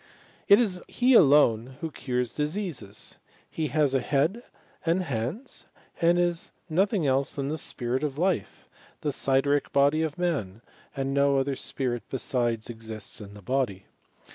It is he alone who cures diseases. He has a head and hamdSf and is nothing else than the spirit of life, the mderic body of man, and no other spirit besides exists in the body.